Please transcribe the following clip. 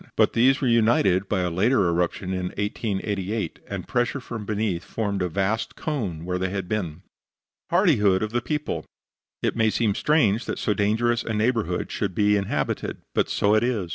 But these were united by a later eruption in 1888, and pressure from beneath formed a vast cone where they had been. HARDIHOOD OF THE PEOPLE It may seem strange that so dangerous a neighborhood should be inhabited. But so it is.